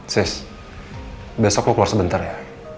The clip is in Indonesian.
sis besok mau keluar sebentar ya